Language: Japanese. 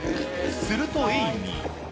するとエイミー。